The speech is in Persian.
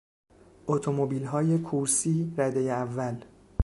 اتومبیلهای کورسی ردهی اول